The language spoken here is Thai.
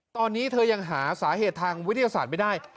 ตอนนี้เธอยังหาสาเหตุทางวิทยาศาสตร์ไม่ได้